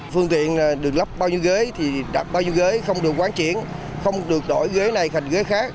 phương tiện được lắp bao nhiêu ghế thì đặt bao nhiêu ghế không được quán triển không được đổi ghế này thành ghế khác